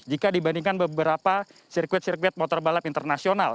jika dibandingkan beberapa sirkuit sirkuit motorbalap internasional